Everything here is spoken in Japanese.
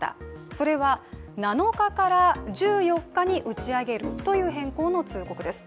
それは７日から１４日に打ち上げるという変更の通告です。